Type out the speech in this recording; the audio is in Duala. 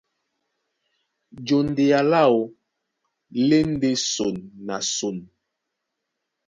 Jondea láō lá e ndé son na son.